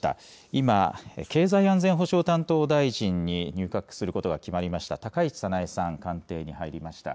今、経済安全保障担当大臣に入閣することが決まりました高市早苗さん、官邸に入りました。